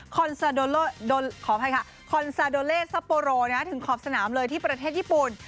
คอนซาโดเลสปโปโลถึงขอบสนามเลยที่ประเทศญี่ปุ่น